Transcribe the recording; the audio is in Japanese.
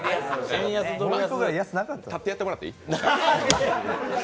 円安、ドル安立ってやってもらっていい？